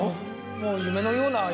もう。